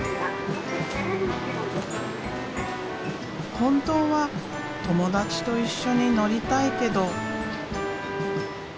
本当は友達と一緒に乗りたいけど。